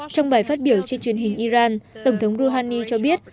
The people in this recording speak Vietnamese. trong bài phát biểu trên truyền hình iran tổng thống rouhani cho biết